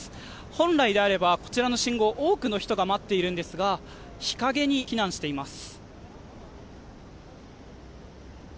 本来であれば、こちらの信号多くの人が待っていますが日陰に避難しています。